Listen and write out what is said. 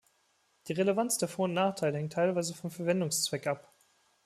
Die Relevanz der Vor- und Nachteile hängt teilweise vom Verwendungszweck ab.